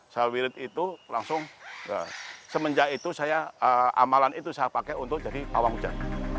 saya wirit itu langsung semenjak itu saya amalan itu saya pakai untuk jadi pawang hujan